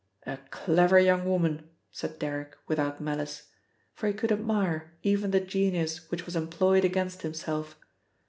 "A clever young woman!" said Derrick without malice, for he could admire even the genius which was employed against himself.